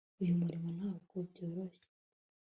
uyu murimo ntabwo byoroshye